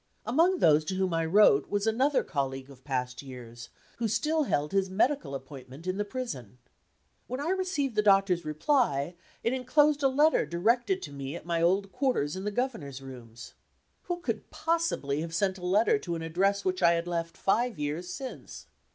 Among those to whom I wrote was another colleague of past years, who still held his medical appointment in the prison. When I received the doctor's reply, it inclosed a letter directed to me at my old quarters in the Governor's rooms. Who could possibly have sent a letter to an address which I had left five years since?